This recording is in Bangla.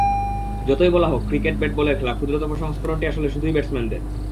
যতই বলা হোক, ক্রিকেট ব্যাট-বলের খেলা, ক্ষুদ্রতম সংস্করণটি আসলে শুধুই ব্যাটসম্যানদের।